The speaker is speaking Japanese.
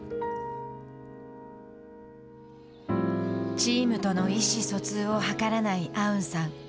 チームとの意思疎通を図らないアウンさん。